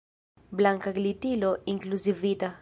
Blanka glitilo inkluzivita.